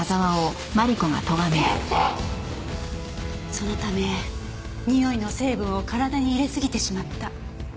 そのためにおいの成分を体に入れすぎてしまった。